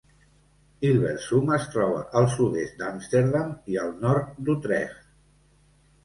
Hilversum es troba al sud-est d'Amsterdam i al nord d'Utrecht.